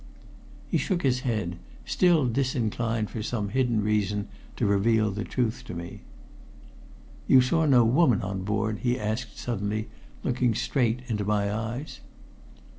He shook his head, still disinclined, for some hidden reason, to reveal the truth to me. "You saw no woman on board?" he asked suddenly, looking straight into my eyes.